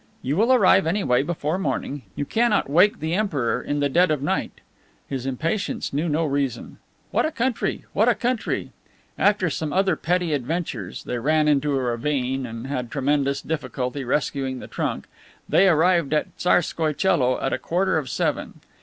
"You will arrive anyway before morning. You cannot wake the Emperor in the dead of night." His impatience knew no reason. "What a country! What a country!" After some other petty adventures (they ran into a ravine and had tremendous difficulty rescuing the trunk) they arrived at Tsarskoie Coelo at a quarter of seven.